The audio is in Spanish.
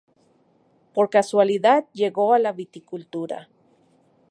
Por casualidad llegó a la viticultura.